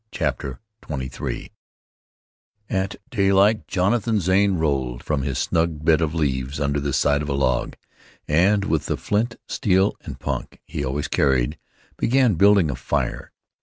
CHAPTER XXIII At daylight Jonathan Zane rolled from his snug bed of leaves under the side of a log, and with the flint, steel and punk he always carried, began building a fire.